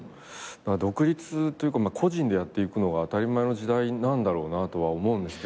独立というか個人でやっていくのが当たり前の時代なんだろうなとは思うんですけど。